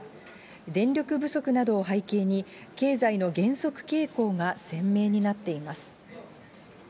電力不足などを背景に、経済の減速傾向が鮮明になっています。